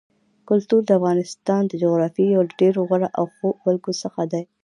کلتور د افغانستان د جغرافیې یو له ډېرو غوره او ښو بېلګو څخه دی.